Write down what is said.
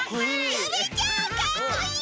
ゆめちゃんかっこいい！